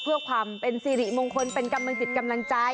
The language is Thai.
เพื่อความเป็นสิริมงคลเป็นกำลังจิตกำลังใจ